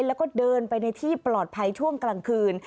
แล้วก็เดินไปในที่ปลอดภัยช่วงกลางคืน